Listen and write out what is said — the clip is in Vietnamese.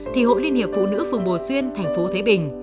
thì hội liên hiệp phụ nữ phường bồ xuyên thành phố thế bình